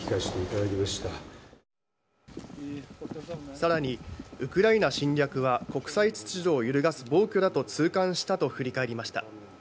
さらに、ウクライナ侵略は国際秩序を揺るがす暴挙だと痛感したと振り返りました。